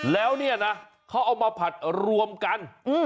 แล้วเนี่ยนะเขาเอามาผัดรวมกัน